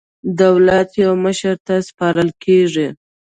دولت یو مشر ته سپارل کېږي.